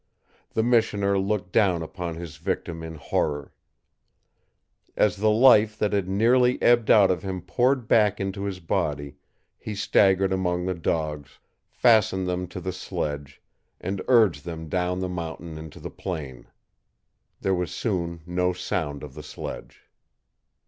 The missioner looked down upon his victim in horror. As the life that had nearly ebbed out of him poured back into his body, he staggered among the dogs, fastened them to the sledge, and urged them down the mountain into the plain. There was soon no sound of the sledge.